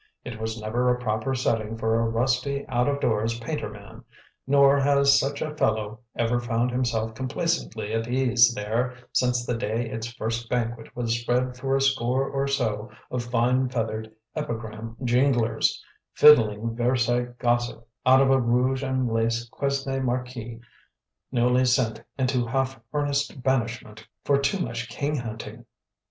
It was never a proper setting for a rusty, out of doors painter man, nor has such a fellow ever found himself complacently at ease there since the day its first banquet was spread for a score or so of fine feathered epigram jinglers, fiddling Versailles gossip out of a rouge and lace Quesnay marquise newly sent into half earnest banishment for too much king hunting.